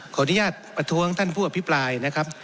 ขออนุญาตประท้วงท่านผู้อภิปรายนะครับ